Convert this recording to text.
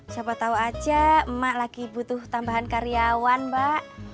siapa tahu aja emak lagi butuh tambahan karyawan mbak